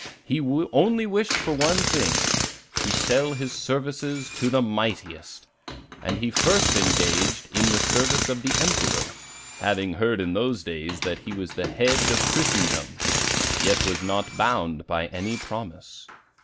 He only wished for one thing: to sell his services to the mightiest. And he first engaged in the service of the Emperor, having heard in those days that he was the head of Christendom, yet was not bound by any promise.